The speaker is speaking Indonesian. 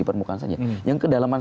permukaan saja yang kedalaman